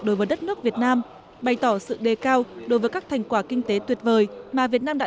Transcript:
đối với đất nước việt nam bày tỏ sự đề cao đối với các thành quả kinh tế tuyệt vời mà việt nam đã đạt